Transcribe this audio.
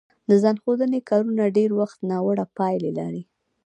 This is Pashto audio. د ځان ښودنې کارونه ډېری وخت ناوړه پایله لري